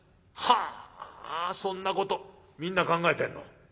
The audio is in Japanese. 「はあそんなことみんな考えてんの？